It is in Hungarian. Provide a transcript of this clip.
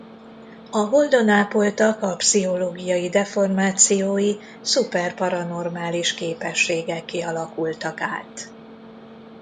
A holdon ápoltak a pszichológiai deformációi szuper paranormális képességekké alakultak át.